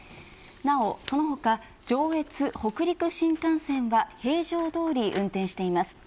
なお、その他上越、北陸新幹線は平常通り運転しています。